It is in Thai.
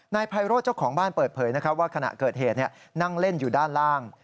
ไพโรธเจ้าของบ้านเปิดเผยว่าขณะเกิดเหตุนั่งเล่นอยู่ด้านล่าง